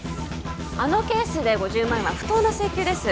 あのケースで５０万円は不当な請求です